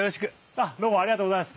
あっどうもありがとうございます。